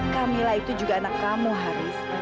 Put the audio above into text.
kamilah itu juga anak kamu haris